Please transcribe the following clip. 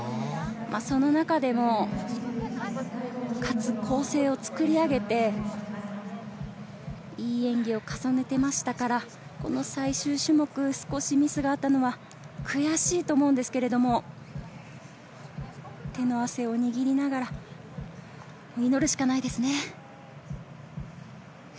その中でも構成を作り上げて、いい演技を重ねていましたから、最終種目、少しミスがあったのは悔しいと思うんですけれども、手の汗を握りながら祈るしかないですね。